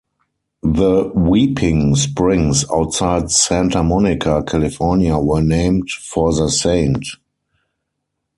The "weeping" springs outside Santa Monica, California were named for the saint.